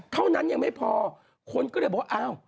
เท่านั้นยังไม่พอคนก็เลยบอกว่าอ้าว